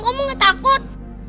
kamu gak takut